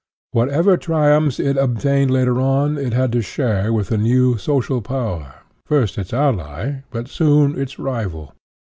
Whatever triumphs it obtained later on, it had to share with a new social power, first its ally, but soon its rival.